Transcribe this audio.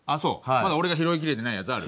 まだ俺が拾いきれてないやつある？